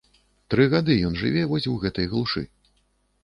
Тры гады ён жыве вось у гэтай глушы.